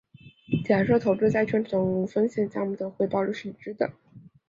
假设投资债券等无风险项目的回报率是已知的。